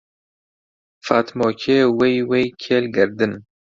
فاتمۆکێ وەی وەی کێل گەردن